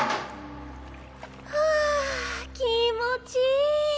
ハァ気持ちいい。